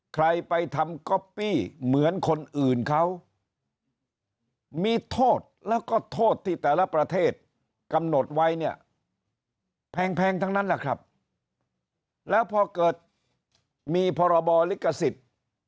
ใครไปทำก๊อปปี้เหมือนคนอื่นเขามีโทษแล้วก็โทษที่แต่ละประเทศกำหนดไว้เนี่ยแพงทั้งนั้นแหละครับแล้วพอเกิดมีพรบลิขสิทธิ์